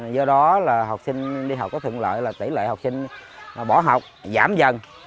do đó là học sinh đi học có thượng lợi là tỷ lệ học sinh bỏ học giảm dần